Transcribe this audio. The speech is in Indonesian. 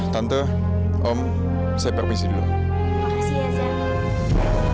tante om saya permisi dulu makasih ya san